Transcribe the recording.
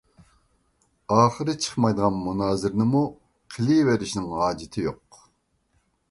ئاخىرى چىقمايدىغان مۇنازىرىنىمۇ قىلىۋېرىشنىڭ ھاجىتى يوق.